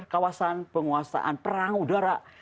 kawasan penguasaan perang udara